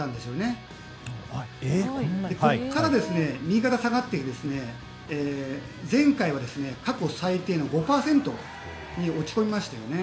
そこから右肩下がりで前回は過去最低の５％に落ち込みましたよね。